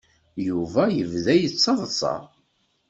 Yuba yebda yettaḍsa.